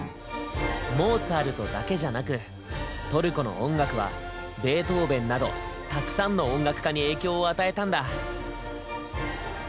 モーツァルトだけじゃなくトルコの音楽はベートーヴェンなどたくさんの音楽家に影響を与えたんだ。